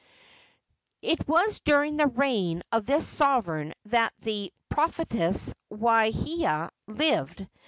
It was during the reign of this sovereign that the prophetess Waahia lived.